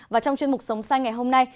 và trong chuyên mục sống xanh ngày hôm nay